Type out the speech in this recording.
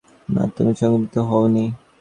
না, তুমি সংক্রমিত হওনি।